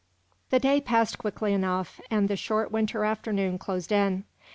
The day passed quickly enough, and the short winter afternoon closed in.